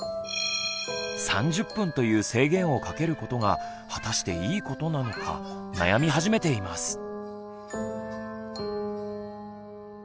３０分という制限をかけることが果たしていいことなのか悩み始めています。